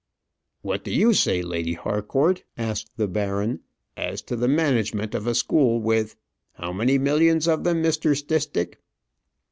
"What do you say, Lady Harcourt," asked the baron, "as to the management of a school with how many millions of them, Mr. Stistick?"